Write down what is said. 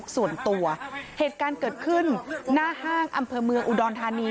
ส่วนตัวเหตุการณ์เกิดขึ้นหน้าห้างอำเภอเมืองอุดรธานี